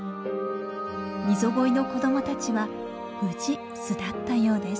ミゾゴイの子供たちは無事巣立ったようです。